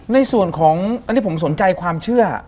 ในส่วนของอันนี้ผมสนใจความเชื่อ